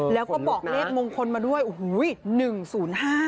แล้วก็บอกเลขมงคลมาด้วยโอ้โฮหนึ่งศูนย์ห้า